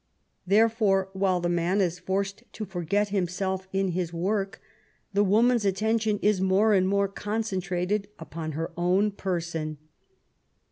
Therefore, while the man is forced to forget himself in his work, the woman's attention is more and more concentrated upon her own person.